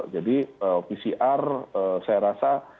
jadi pcr saya rasa